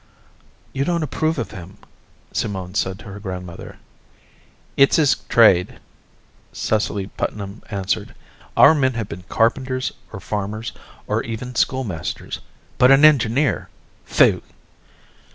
"You don't approve of him," Simone said to her grandmother. "It's his trade," Cecily Putnam answered. "Our men have been carpenters, or farmers, or even schoolmasters. But an engineer. Phui!"